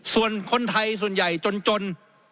ส่วนคนไทยส่วนใหญ่จน